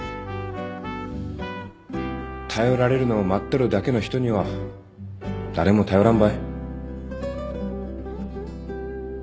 頼られるのを待っとるだけの人には誰も頼らんばい。